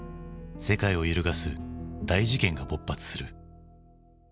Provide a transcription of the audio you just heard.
世界を揺るがす大事件が勃発する。